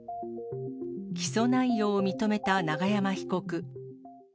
起訴内容を認めた永山被告。